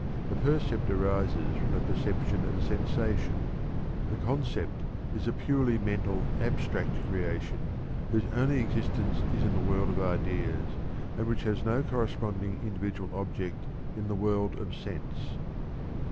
A percept arises from the perception of a sensation; a concept is a purely mental, abstract creation, whose only existence is in the world of ideas and which has no corresponding individual object in the world of sense.